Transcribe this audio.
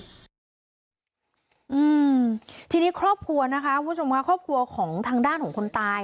อืมทีนี้ครอบครัวนะคะคุณผู้ชมค่ะครอบครัวของทางด้านของคนตาย